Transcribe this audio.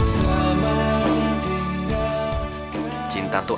selama ku tinggal di rumah